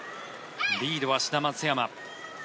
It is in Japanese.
リードは志田・松山。